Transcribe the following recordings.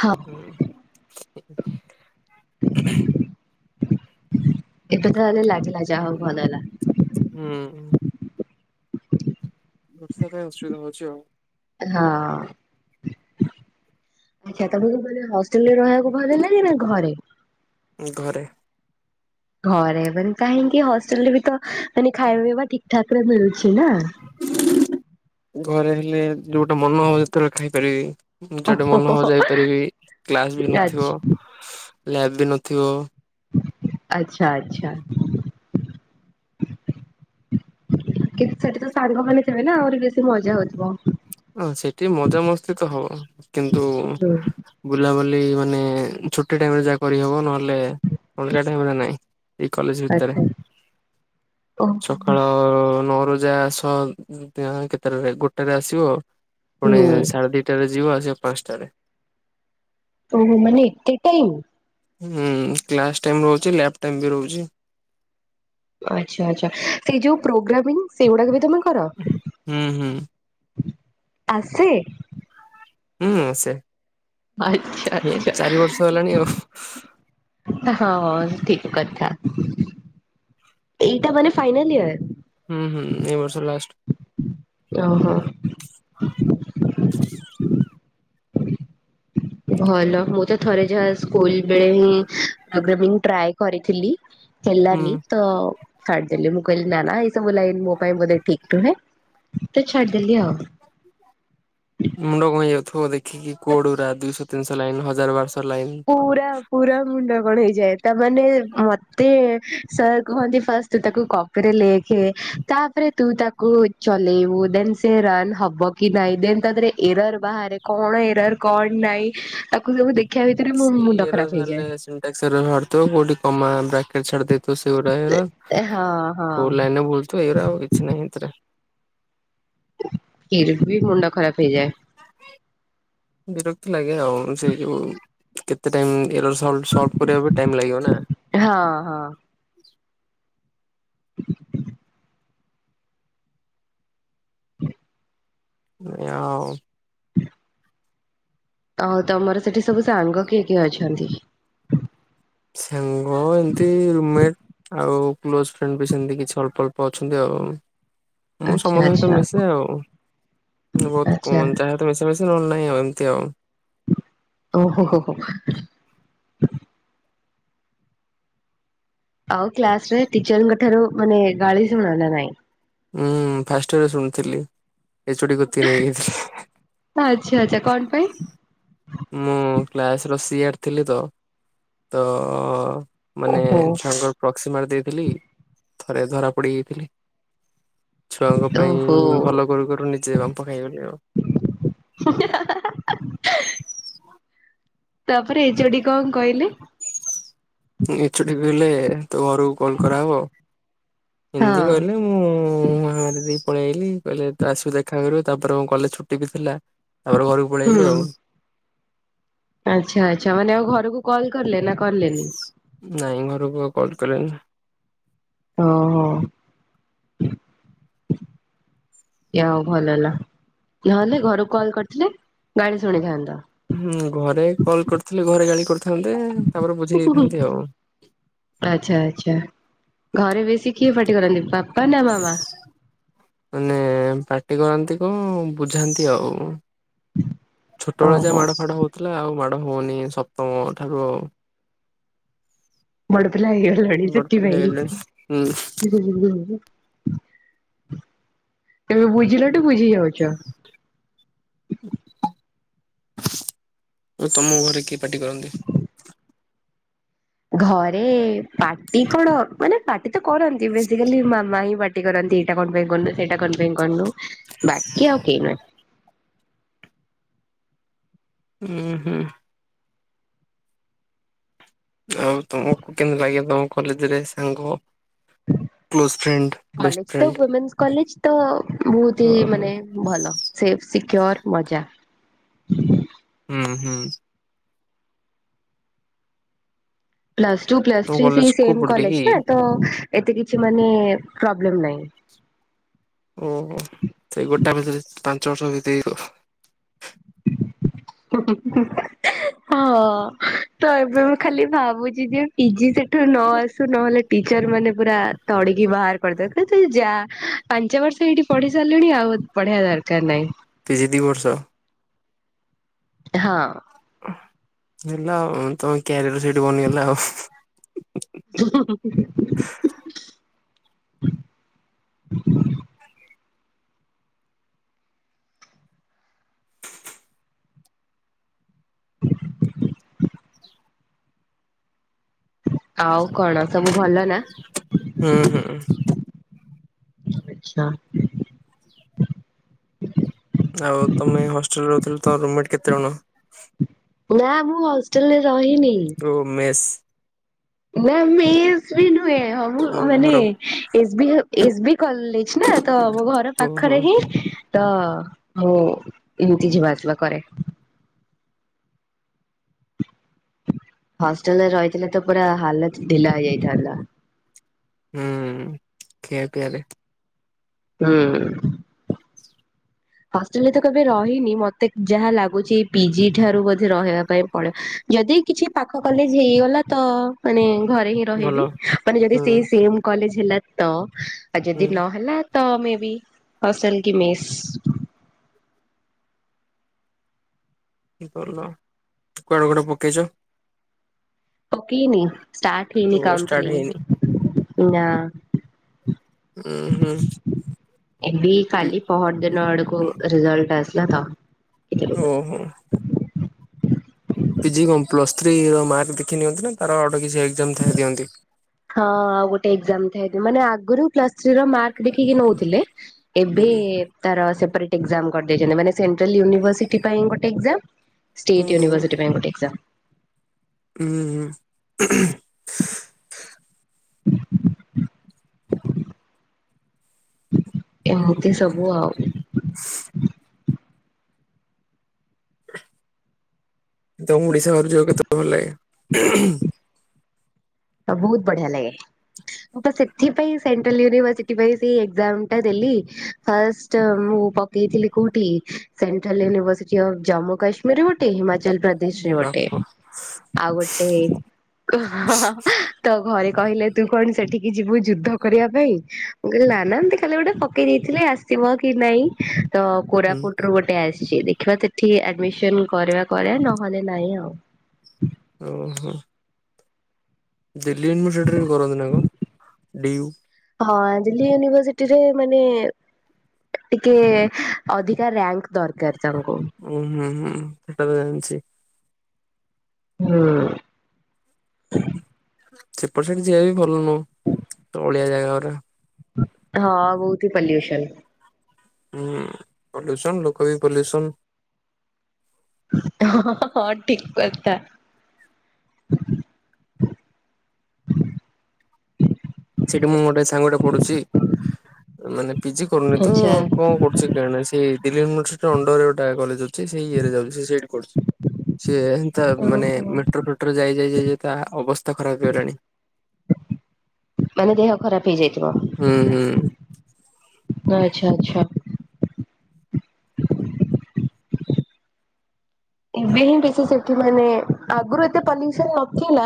ହଁ ଏବେ ତାହଲେ ଲାଗିଲା ଯାହା ହଉ ଭଲ ହେଲା ହୁଁ। ବର୍ଷା ପାଇଁ ଅସୁବିଧା ହଉଛି ଆଉ। ହଁ। କ ତମକୁ ହଷ୍ଟେଲ ରେ ରହିବାକୁ ଭଲ ହେଲା କି ନା ଘରେ? ଘରେ। ଘରେ ମାନେ କାହିଁକି ହଷ୍ଟେଲରେ ବି ତ ମାନେ ଖାଇବା ପିଇବା ଠିକ ଠାକ ରେ ମିଳୁଛି ନା। ଘରେ ହେଲେ ଯୋଉଟା ମନ ହବ ଯେତେବେଳେ ଖାଇପାରିବି। ମୁଁ ଯୁଆଡେ ଆଛା ମନ ହବ ଯାଇପାରିବି। କ୍ଲାସ ବି ଆଚ୍ଛା ନଥିବ ଲ୍ୟାବ ବି ନଥିବ। ଆଚ୍ଛା ଆଚ୍ଛା। କିନ୍ତୁ ସେଠି ତ ସାଙ୍ଗମାନେ ଥିବେ ନା ଆହୁରି ବେଶୀ ମଜା ହଉଥିବ। ହଁ ସେଠି ମଜାମସ୍ତି ତ ହବ କିନ୍ତୁ ହୁଁ ବୁଲାବୁଲି ମାନେ ଛୁଟି ଟାଇମରେ ଯାହା କରିହବ ନହେଲେ ଅଲଗା ଟାଇମରେ ନାଇଁ। ଏଇ କଲେଜ ଭିତେରେ ଆଚ୍ଛା ଓ ସ ସକାଳ ନଅ ର ଯା ଆସ କେତେଟାରେ ଗୋଟେରେ ଆସିବ। ପୁଣି ହୁଁ ସାଢେ ଦିଟାରେ ଯିବ ଆସିବ ପାଞ୍ଚଟାରେ। ଓହୋ ମାନେ ଏତେ ଟାଇମ। ହୁଁ କ୍ଲାସ ଟାଇମ ରହୁଚି ଲାପ ଟାଇମ୍ ବି ରହୁଚି। ଆଚ୍ଛା ଆଚ୍ଛା ସେ ଯୋଉ ପ୍ରୋଗ୍ରାମିଂ ସେଗୁଡା ବି ତମେ କର? ହୁଁ ହୁଁ। ଆସେ। ହୁଁ ସେ ଆଚ୍ଛା ଆଚ୍ଛା ଚାରି ବର୍ଷ ହେଲାଣି ଆଉ। ହଁ ଠିକ୍ କଥା ଏଇଟା ମାନେ ଫାଇନାଲ ଇୟର। ହୁଁ ହୁଁ ଏ ବର୍ଷ ଲାଷ୍ଟ୍। ଓହୋ। ଭଲ ମୁଁ ତ ଥରେ ଯାହା ସ୍କୁଲ ବେଳେ ହିଁ ପ୍ରୋଗ୍ରାମିଂ ଟ୍ରାଏ କରିଥିଲି। ହେଲାନି ହୁଁ ତ ଛାଡ଼ିଦେଲି ମୁଁ କହିଲି ନା ନା ଏସବୁ ଲାଇନି ମୋ ପାଇଁ ବଧେ ଠିକ୍ [unintelligible] ତ ଛାଡି ଦେଲି ଆଉ। ମୁଣ୍ଡ କଁ ହେଇଯାଉଥିବ ଦେଖିକି କୋଡ ଗୋରା ଦୁଇଶ ତିନିଶ ଲାଇନ ହଜାର ବାରଶ ଲାଇନ। ପୁରା ପୁରା ମୁଣ୍ଡ କଣ ହେଇଯାଏ ତାମାନେ ମତେ ସାର୍ କୁହନ୍ତି ଫାଷ୍ଟ ତୁ ତାକୁ କପିରେ ଲେଖେ ତାପରେ ତୁ ତାକୁ ଚଲେଇବୁ ଦେନ ସେ ରନ୍ ହବ କି ନାଇଁ ଦେନ୍ ତା ଦେରେ ଏରର ବାହାରେ କଣ ଏରର କଣ ନାଇଁ ତାକୁ ସବୁ ଦେଖିବା ଭିତରେ ମୋ ମୁଣ୍ଡ ଖରାପ ହେଇଯାଏ। [unintelligible] ଥିବ କୋଉଠି କମା ବ୍ରାକେଟ ଛା ହଁ [unintelligible] ହଁ। କୋଉ ଲାଇନ ବୁଲଥ ଏଇରା ଆଉ କିଛି ନାହିଁ ଏଥିରେ। ଫିର୍ ବି ମୁଣ୍ଡ ଖରାପ ହେଇଯାଏ। ବିରକ୍ତି ଲାଗେ ଆଉ ସେଇ ଯୋଉ କେତେ ଟାଇମ ଇରୋର ସଲ୍ଭ କରିବା ପାଇଁ ଟାଇମ ଲାଗିବ ନା। ହଁ ହଁ। ଆଉ। ତହଲ ତମର ସେଠି ସବୁ ସାଙ୍ଗ କିଏ କିଏ ଅଛନ୍ତି? ସାଙ୍ଗ ଏମିତି ରୁମମେଟ ଆଉ କ୍ଲୋଜ ଫ୍ରେଣ୍ଡ ବି ସେମିତି କିଛି ଅଳ୍ପ ଅଳ୍ପ ଅଛନ୍ତି ଆଉ। ମୁଁ ଆଚ୍ଛା ସମସ୍ତ ସହିତ ଆଚ୍ଛା ମିଶେ ଆଉ ବହୁତ କ ଆଚ୍ଛା। ଯା ମିଶି ମିଶିଲେ ନହେଲେ ନାଇଁ ଆଉ ଏମତି ଆଉ। ଓ ହୋ ହୋ ହୋ। ଆଉ କ୍ଲାସ ରେ ଟିଚରଙ୍କ ଠାରୁ ମାନେ ଗାଳି ଶୁଣ ନା ନାହିଁ? ହୁଁ ଫାଷ୍ଟ ୟରେ ଶୁଣୁଥିଲି ଏଚୁଡି। [unintelligible] ଆଚ୍ଛା ଆଚ୍ଛା କଣ ପାଇଁ? ମୁଁ କ୍ଲାସ ର ସିଆର ଥିଲି ତ ତ ମାନେ ଓହୋ ଛୁଆଙ୍କର ପ୍ରକ୍ସି ମାରି ଦେଇଥିଲି ଥରେ ଧରା ପଡିଯାଇଥିଲି। ଛୁଆଙ୍କ ପାଇଁ ଓହୋ। ଭଲ କରୁ କରୁ ନିଜେ ବାମ୍ପ ଖାଇଗଲି ଆଉ। ହା ହା ହା ହା। ତାପରେ ଏଚ ଓ ଡି କଣ କଇଲେ? ଏଚ ଓ ଟି କହିଲେ ତୋ ଘରକୁ କଲ କରା ହବ ହଁ ଏମତି କହିଲେ। ହୁଁ। ମାରି ଦେଇ ପଳେଇଆଇଲି କହିଲେ ଆସିବୁ ଦେଖା କରିବୁ ତାପରେ କଲେଜ ଛୁଟି ବି ଥିଲା ତାପ ଘରକୁ ପଳେଇଆଇଲି ଆଉ। ଆଛା ଆଛା ମାନେ ଆଉ ଘରକୁ କଲ କଲେ ନା କଲେନି? ନାଇଁ ଘରକୁ ଆଉ କଲ କଲିନି। ଓହୋ। ଭଲ ହେଲା ନହଲେ ଘରକୁ କଲ୍ କରିଥିଲେ ଗାଳି ଶୁଣିଥାନ୍ତ? ହୁଁ ଘରେ କଲ କରିଥିଲି, ଘରେ ଗାଳି କରିଥାନ୍ତେ ତାପରେ ବୁଝେଇ ଦେଇଥାନ୍ତି ଆଉ। ଆଛା ଆଛା ଘରେ ବେଶୀ କିଏ ପାଟି କରନ୍ତି ବାପା ନା ମାମା? ମାନେ ପାଟି କରନ୍ତି କୁ ବୁଝାନ୍ତି ଆଉ। ଛୋଟବେେଳେ ଯା ଓହୋ ମାଡ ଫାଡ ହଉଥିଲା ଆଉ ମାଡ ହଉନି ସପ୍ତମ ଠାରୁ ଆଉ। ବଡ଼ପିଲା ହେଇଗଲଣି ବଡ ପିଲା ସେଥିପାଇଁ। ହେଇଗଲେଣି ହୁଁ ଏବେ ବୁଝିଲାଠୁ ବୁଝି ଯାଉଚ? ତମ ଘରେ କିଏ ପାଟି କରନ୍ତି? ଘରେ ପାଟି କଣ ମାନେ ପାଟି ତ କରନ୍ତି ବେସିକାଲି ମାମା ହିଁ ପା କରନ୍ତି ଏଇଟା କଣ ପାଇଁ କରନୁ ସେଇଟା କଣ ପାଇଁ କରନୁ ବାକି ଆଉ କେଇ ନାହିଁ। ଉଁ ହୁଁ। ଆଉ ତମକୁ କେମତି ଲାଗେତମ କଲେଜରେ ସାଙ୍ଗ? କ୍ଲୋଜ ଫ୍ରେଣ୍ଡ ବେଷ୍ଟ କଲେଜ ତ ଫ୍ରେଣ୍ଡ [unintelligible] କଲେଜ ତ ବହୁତ ଓହୋ ହି ମାନେ। ଭଲ ସେଫ ସିକ୍ୟୋର ମଜା। ଉଁ ହୁଁ। ପ୍ଲସ ଟୁ ପ୍ଲସ ତମ ଥ୍ରି କଲେଜ ସେଇ କୋଉ ସେମ୍ ପଟେ କଲେଜ କି? ନା ତ ଏତେ କିଛି ମାନେ ପ୍ରୋବ୍ଲେମ ନାଇଁ। ଓହୋ ସେଇ ଗୋଟା ଭିତରେ ପାଞ୍ଚ ବର୍ଷ ବିତେଇଯିବ। [unintelligible] ହଁ ତ ଏବେ ମୁଁ ଖାଲି ଭାବୁଚି ଯେ ପିଜି ସେଠୁ ନ ଆସୁ ନହଲେ ଟିଚର ମାନେ ପୁରା ତଡିକି ବାହାର କରିଦେବେ କହିବେ ତୁ ଯା ପାଞ୍ଚ ବର୍ଷ ଏଇଠି ପଢି ସାରିଲିଣି ଆଉ ପଢିବା ଦରକାର ନାଇଁ। ପିଜି ଦିଇ ବର୍ଷ। ହଁ। ହେଲା ଆଉ ତମ କ୍ୟାରିୟର ସେଇଠି ବନିଗଲା ଆଉ। [inaudible] [inaudible] ଆଉ କଣ ସବୁ ଭଲ ନା? ହୁଁ ହୁଁ। ଆଚ୍ଛା। ଆଉ ତମେ ହଷ୍ଟେଲରେ ରହୁଥିଲ ତମର ରୁମମେଟ୍ କେତେ ଜଣ? ନା ମୁଁ ହଷ୍ଟେଲରେ ରହିନି। ଓ ମେସ୍? ନା ମେସ୍ ବି ନୁହେଁ ହଉ ଓ ମାନେ ଘର S B S B college ନା ତ ମୋ ଘର ଓହୋ ପାଖରେ ହିଁ। ତ ମୁଁ ଏମତି ଯିବା ଆସିବା କରେ। ହଷ୍ଟେଲରେ ରହିଥିଲେ ତ ପୁରା ହାଲତ ଢିଲା ହେଇଯାଇଥାନ୍ତା। ହୁଁ ଖିଆ ପିଆରେ। ହୁଁ। ହଷ୍ଟେଲରେ ତ କେବେ ରହିନି ମତେ ଯାହା ଲାଗୁଚି ପିଜି ଠାରୁ ବୋଧେ ରହିବା ପାଇଁ ପଡିବ। ଯଦି କିଛି ପାଖ କଲେଜ ହେଇଗଲା ତ ମାନେ ଘରେ ହିଁ ଭଲ ରହିବି ମାନେ ଯଦି ହୁଁ ସେ ସେମ୍ କଲେଜ ହେଲା ତ ଆଉ ଯଦି ହୁଁ ନହେଲା। ତ ମେ ବି ହଷ୍ଟେଲ କି ମେସ୍। ଭଲ କୁଆଡେ କୁଆଡେ ପକେଇଛ? ପକେଇନି ଷ୍ଟାର୍ଟ ହେଇନି ଓ ଷ୍ଟାର୍ଟ ହେଇନି କାଉନସିଲିଂ ନା। ହୁଁ ହୁଁ। ଏବେ ପି କାଲି ପହର ଦିନ ଆଡକୁ ରେଜଲଟ ଆସିଲା ତ। ଓହୋ। ପିଜି କଣ ପ୍ଲସ୍ ଥ୍ରୀର ମାର୍କ ଦେଖି ନିଅନ୍ତି ନା ତାର ଅଟେ କିଛି ଏକ୍ଜାମ ଥାଏ ଦିଅନ୍ତି। ହଁ ଆଉ ଗୋଟେ ଏକ୍ଜାମ୍ ଥାଏ ମାନେ ଆଗରୁ ପ୍ଲସ୍ ଥ୍ରୀ ର ମାର୍କ ଦେଖିକି ନଉଥିଲେ। ହୁଁ ଏବେ ତାର ସେପାରେଟ ଏକ୍ଜାମ୍ କରିଦେଇଛନ୍ତି ମାନେ ସେଣ୍ଟ୍ରାଲ ୟୁନିଭରସିଟି ପାଇଁ ଗୋଟୋ ଏକ୍ଜାମ୍। ଷ୍ଟେଟ ଓହୋ ୟୁନିଭର୍ସିଟି ପାଇଁ ଗୋଟେ ଏକ୍ସାମ। ହୁଁ। ହ [inaudible] ଏମିତି ସବୁ ଆଉ। ତମକୁ ଓଡିଶା ବାହାରକୁ ଯିବାକୁ କେତେ ଭଲ ଲାଗେ? ତ ବହୁତ ବଢିଆ ଲାଗେ। ମୁଁ ପା ସେଥିପାଇଁ ସେଣ୍ଟ୍ରାଲ ୟୁନିଭର୍ସିଟି ପାଇଁ ସେଇ ଏକ୍ଜାମ ଟା ଦେଲି। ଫାଷ୍ଟ ମୁଁ ପକେଇଥିଲି କୋଉଠି central university of Jammu Kashmir ମ ଗୋଟେ ହିମାଚଳ ପ୍ରଦେଶରେ ବାପ ଗୋଟେ ଆଉ ଗୋଟେ ତ ଘରେ କହିଲେ ତୁ କଣ ସେଠିକି ଯିବୁ ଯୁଦ୍ଧ କରିବା ପାଇଁ ମୁଁ କହିଲି ନା ନା ଏମିତି ଖାଲି ଗୋଟେ ପକେଇ ଦେଇଥିଲେ ଆସ ସିବ କି ନାଇଁ ତ ହୁଁ କୋରାପୁଟରୁୁ ଗୋଟେ ଆସିଛି ଦେଖିବା ସେଠି ଆଡମିସନ କରିବା କରିବା ନହେଲେ ନାଇଁ ଆଉ। ଓହୋ। ଦିଲ୍ଲୀ ୟୁନିଭର୍ସିଟିରେ ବି କରନ୍ତି ନା କଣ ଡିୟୁ। ହଁ ଦିଲ୍ଲୀ ୟୁନିଭରସିଟିରେ ମାନେ ଟିକେ ଅଧିକା ରାକ୍ ଦରକାର ତାଙ୍କୁ। ଓ ହଁ ହୁଁ ସେଟା ତ ଜାଣିଛି। ହୁଁ। ସେପଟ ସାଇଡ ଯିବା ବି ଭଲ ନୁହଁ ଅଳିଆ ଜାଗା ଗୁଡା। ହଁ ବହୁତ ହି ପଲ୍ୟୁସନ। ହୁଁ ପଲ୍ୟୁସନ ଲୋକ ବି ପଲ୍ୟୁସନ। ହଁ ହଁ ଠିକ କଥା। [inaudible] ସେଠି ମୁଁ ଗୋଟେ ସାଙ୍ଗଟେ ପଢୁଛି ମାନେ ପିଜି କରୁନି ତ ଆଚ୍ଛା କଣ କରୁଛି କାଁ ସେ ଦିଲ୍ଲୀ ୟୁନିଭରସିଟି ଅଣ୍ଡର ଗୋଟା କଲେଜ ଅଛି ସେଇ ଇଏରେ ଯାଉଛି ସେଇଠି କରୁଛି। ସିଏ ସେନ୍ତା ମାନେ ଓହୋ ମେଟ୍ରୋ ଫେଟ୍ରୋ ଯାଇ ଯାଇ ଯାଇ ତା ଅବସ୍ଥା ଖରାପ ହେଇଗଲାଣି। ମାନେ ଦେହ ଖରାପ ହେଇଯାଇଥିବ। ହୁଁ। ହୁଁ ଆଛା ଆଚ୍ଛା। ଏବେ ହିଁ ବ ସେ ସେଠି ମାନେ ଆଗରୁ ଏତେ ପଲ୍ୟୁସନ ନଥିଲା।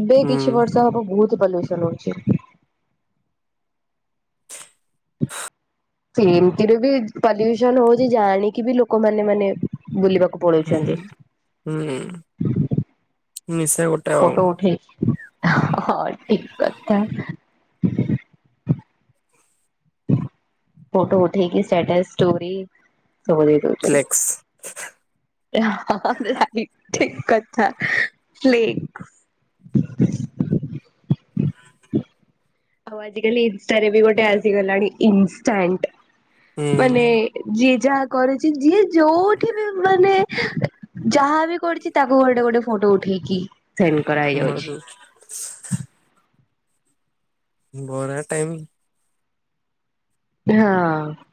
ଏବେ ହୁଁ କିଛି ବର୍ଷ ହବ ବହୁତ ପଲ୍ୟୁସନ ହଉଛି। ସେମିତିରେ ବି ପଲ୍ୟୁସନ ହଉଛି ଜାଣିକି ବି ଲୋକମାନେ ମାନେ ବୁଲିବାକୁ ହୁଁ ପଳଉଛନ୍ତି। ହୁଁ ନିଶା ଗୋଟେ ଆଉ। ଫୋଟୋ ଉଠେ ହଁ ଠିକ କଥା। ଫୋଟୋ ଉଠେଇକି ଷ୍ଟାଟସ୍ ଷ୍ଟୋରି ସବୁ ଦେଇଦଉଚି। ଫ୍ଲେକ୍ସ ଠିକ୍ କଥା। ଆଉ ଆଜିକାଲି ଇନଷ୍ଟାରେ ବି ଗୋଟେ ଆସିଗଲାଣି ଇନଷ୍ଟାଣ୍ଟ ମାନେ ହୁଁ ଯିଏ ଯାହା କରଛି ଯିଏ ଯୋଉଠି ବି ମାନେ ଯାହାବି କରିଛି ତାକୁ ଗୋଟେ ଗୋଟେ ଫଟୋ ଉଠେଇକି ସେଣ୍ଡ। କରାହେଇଯାଉଛି। ମଦଉଛି? ବରା ଟାଇମ ହଁ।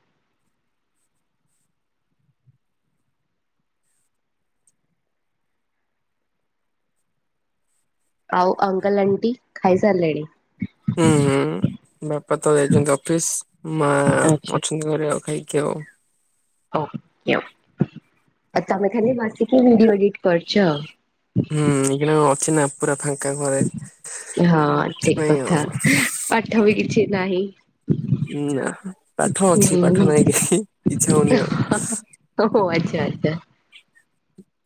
ଆଉ ଅଙ୍କଲ ଆଣ୍ଟି ଖାଇ ସାରିଲେଣି? ହୁଁ ହୁଁ ବାପା ତ ଯାଇଛନ୍ତି ଅଫିସ ମା ଆଚ୍ଛା ଅଛନ୍ତି ଘରେ ଆଉ ଖାଇକି ଆଉ ହଉ ତମେ ଖାଲି ବାସିକି ଭିଡିଓ ଏଡିଟ୍ କରୁଛ ହୁଁ ଏଇକିଣା ଅଛି ନା ପୁରା ଫାଙ୍କା ଘରେ ହଁ ଠିକ ସେଥିପାଇଁ। କଥା ପାଠ ବି କିଛି ନାହିଁ। ନା ପାଠ ଅଛି ହୁଁ ପାଠ ନାହିଁ କାହିଁକି ଇଚ୍ଛା ହଉନି ଆଉ। ଓହୋ ଆଚ୍ଛା ଆଚ୍ଛା।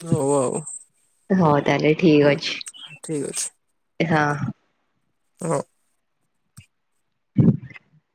ହଉ ଆଉ ହଉ ତାହେଲେ। ହୁଁ ଠିକ ଅଛି ଠିକ ଅଛି। ହଁ। ହଁ।